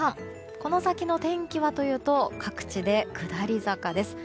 この先の天気はというと各地で下り坂です。